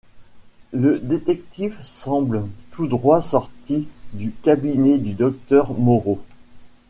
Le détective semble tout droit sorti du cabinet du docteur Moreau.